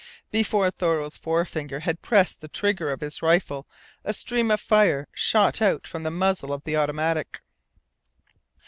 Before Thoreau's forefinger had pressed the trigger of his rifle a stream of fire shot out from the muzzle of the automatic.